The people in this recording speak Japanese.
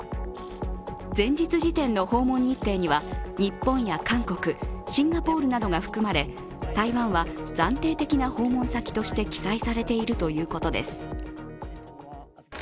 前日時点の訪問日程には日本や韓国、シンガポールなどが含まれ、台湾は暫定的な訪問先として記載されているということです。